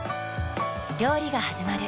料理がはじまる。